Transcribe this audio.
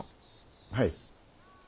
はい。